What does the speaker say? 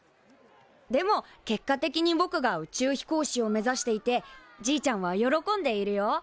でも結果的にぼくが宇宙飛行士を目指していてじいちゃんは喜んでいるよ。